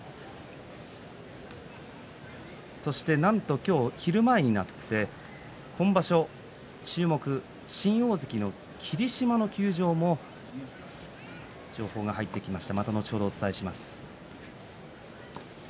そしてなんと今日昼前になって今場所、注目を集めていた新大関霧島の休場の情報が入ってきました。